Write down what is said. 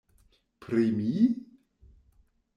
Pri mi!?